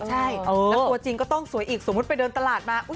ใช่แล้วตัวจริงก็ต้องสวยอีกสมมุติไปเดินตลาดมา